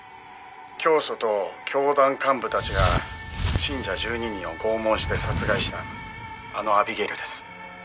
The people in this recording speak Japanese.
「教祖と教団幹部たちが信者１２人を拷問して殺害したあのアビゲイルです」